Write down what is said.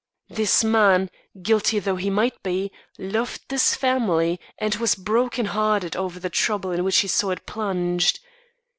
"This man, guilty though he might be, loved this family, and was broken hearted over the trouble in which he saw it plunged.